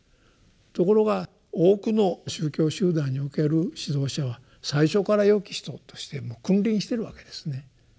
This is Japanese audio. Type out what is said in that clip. ところが多くの宗教集団における指導者は最初から「よき人」としてもう君臨してるわけですね。